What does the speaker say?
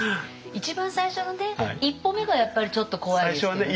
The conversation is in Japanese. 一番最初のね一歩目がやっぱりちょっと怖いですけどね。